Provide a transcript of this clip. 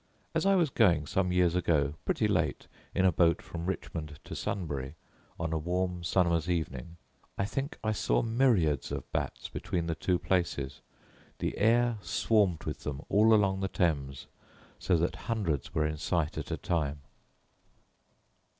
As I was going, some years ago, pretty late, in a boat from Richmond to Sunbury, on a warm summer's evening, I think I saw myriads of bats between the two places: the air swarmed with them all along the Thames, so that hundreds were in sight at a time.